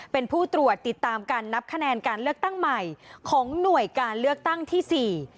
เป็นผู้ตรวจติดตามการนับคะแนนการเลือกตั้งใหม่ของหน่วยการเลือกตั้งที่สี่